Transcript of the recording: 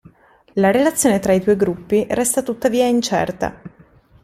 La relazione tra i due gruppi resta tuttavia incerta.